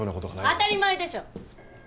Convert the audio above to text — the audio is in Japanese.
当たり前でしょ！